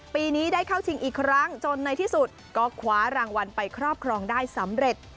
ปีนี้ได้เข้าชิงอีกครั้งจนในที่สุดก็คว้ารางวัลไปครอบครองได้สำเร็จ